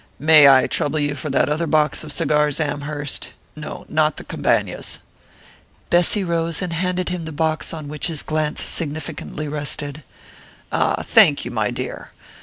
"May I trouble you for that other box of cigars, Amherst? No, not the Cabañas." Bessy rose and handed him the box on which his glance significantly rested. "Ah, thank you, my dear.